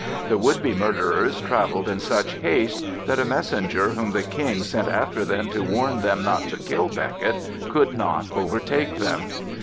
The would be murderers travelled in such haste that a messenger whom the King sent after them to warn them not to kill Becket could not overtake them.